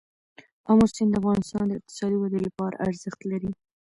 آمو سیند د افغانستان د اقتصادي ودې لپاره ارزښت لري.